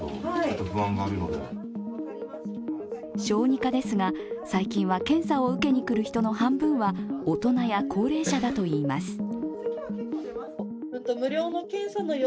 小児科ですが、最近は検査を受けに来る人の半分は大人や高齢者だといいます。